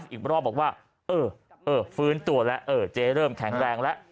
อีกรอบบอกว่าเออฟื้นตัวแล้วเออเจ๊เริ่มแข็งแรงแล้ว